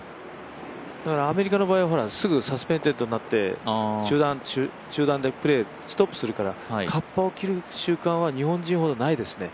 だからアメリカの場合はすぐにサスペンデッドになって中断でプレーストップするからカッパを着る習慣は日本人ほどないですね。